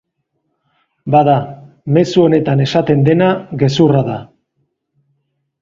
Bada, mezu honetan esaten dena gezurra da.